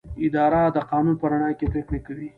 اداره د قانون په رڼا کې پریکړې کوي.